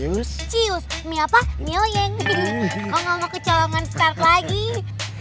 kalo gak mau ke colongan start lagi